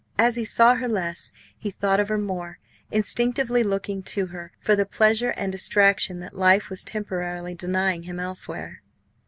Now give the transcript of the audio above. As he saw her less, he thought of her more, instinctively looking to her for the pleasure and distraction that life was temporarily denying him elsewhere.